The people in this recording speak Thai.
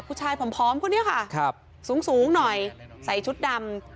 ผู้ชายผอมคนนี้ค่ะสูงสูงหน่อยใส่ชุดดำ